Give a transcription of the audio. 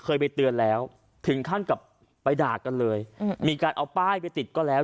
เคยไปเตือนแล้วถึงขั้นกลับไปด่ากันเลยอืมมีการเอาป้ายไปติดก็แล้ว